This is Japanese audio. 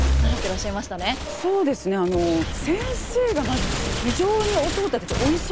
先生がまず非常に音を立てておいしそうに飲むんですよ。